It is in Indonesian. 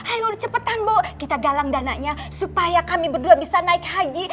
ayo udah cepetan bu kita galang dananya supaya kami berdua bisa naik haji